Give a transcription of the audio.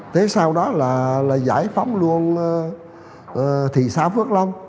thế sau đó là giải phóng luôn thị xã phước long